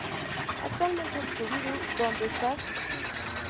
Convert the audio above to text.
Actualmente "Scooby Doo, ¿dónde estás?